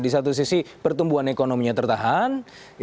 di satu sisi pertumbuhan ekonominya tertahan